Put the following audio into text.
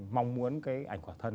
mong muốn cái ảnh khỏa thân